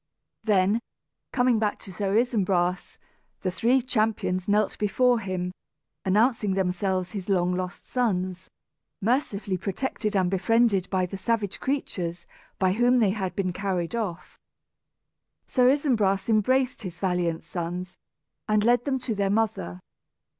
Then, coming back to Sir Isumbras, the three champions knelt before him, announcing themselves his long lost sons, mercifully protected and befriended by the savage creatures by whom they had been carried off. Sir Isumbras embraced his valiant sons, and led them to their mother.